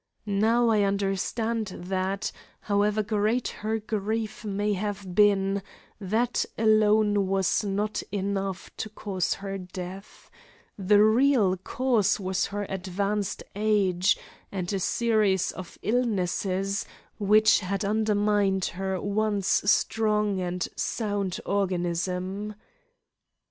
Now I understand that, however great her grief may have been, that alone was not enough to cause her death; the real cause was her advanced age and a series of illnesses which had undermined her once strong and sound organism.